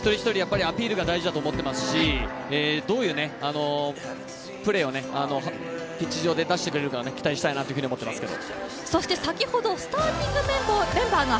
１人１人、アピールが大事だと思っていますし、どういうプレーをピッチ上で出してくれるか期待したいなと思ってますけど。